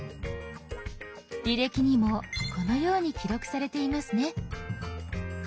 履歴にもこのように記録されていますね。